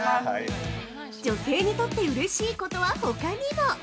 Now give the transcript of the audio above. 女性にとってうれしいことはほかにも！